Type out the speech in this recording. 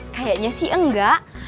kayaknya sih enggak